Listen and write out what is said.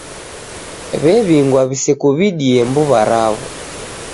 W'ew'ighwa w'isekuw'idie mbuw'a zao.